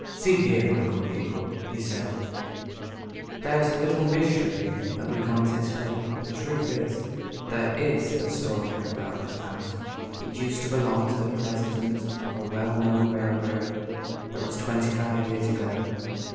"See here, my good people," he said, "there is a little mystery here that we can't explain. The truth is, there is a story about this house. It used to belong to the president of a well known railroad. That was twenty five years ago.